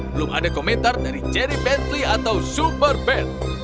belum ada komentar dari jerry bentley atau super ben